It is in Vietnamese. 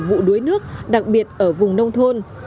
vụ đuối nước đặc biệt ở vùng nông thôn